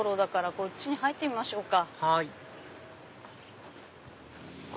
こっちに入ってみましょうか。